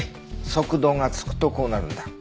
速度がつくとこうなるんだ。